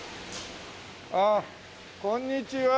ああこんにちは。